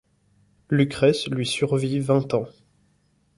Lucrèce lui survit vingt ans.